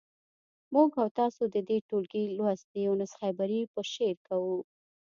موږ او تاسو د دې ټولګي لوست د یونس خیبري په شعر کوو.